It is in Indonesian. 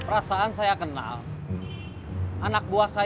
masa itu kita mau ke tempat yang lebih baik